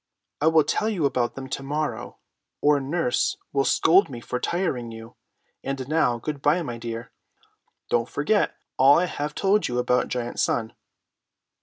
I will tell you about them to morrow, or nurse will scold me for tiring you. And now, good by, my dear. Don't forget all I have told you about Giant Sun."